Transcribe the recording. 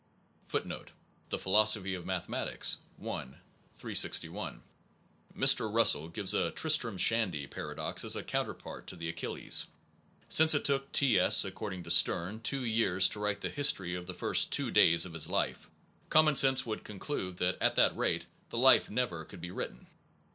2 1 The Philosophy of Mathematics, i, 361. Mr. Russell gives a Tristram Shandy paradox as a counterpart to the Achilles. Since it took T. S. (according to Sterne) two years to write the history of the first two days of his life, common sense would conclude that at that rate the life never could be written.